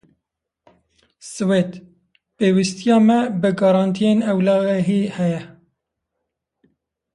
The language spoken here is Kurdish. Swêd, pêwîstiya me bi garantiyên ewlehiyê heye.